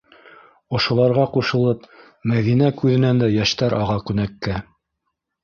Ошоларға ҡушылып, Мәҙинә күҙенән дә йәштәр аға күнәккә.